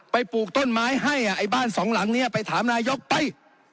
ปลูกต้นไม้ให้ไอ้บ้านสองหลังนี้ไปถามนายกไป